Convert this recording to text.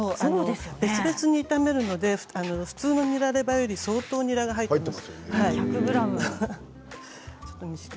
別々に炒めるので普通のレバニラより相当にらが入っています。